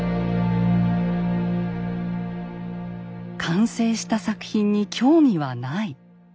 「完成した作品に興味はない」。